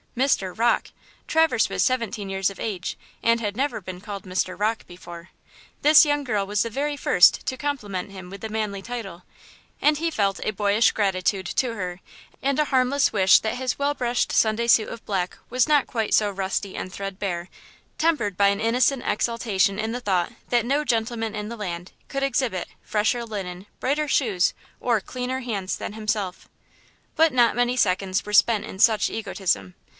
Mr. Rocke! Traverse was seventeen years of age, and had never been called Mr. Rocke before. This young girl was the very first to compliment him with the manly title, and he felt a boyish gratitude to her and a harmless wish that his well brushed Sunday suit of black was no quite so rusty and threadbare, tempered by an innocent exultation in the thought that no gentleman in the land could exhibit fresher linen, brighter shoes or cleaner hands than himself. But not many second were spent in such egotism.